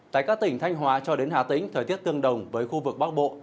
tại các tỉnh thanh hóa cho đến hà tĩnh thời tiết tương đồng với khu vực bắc bộ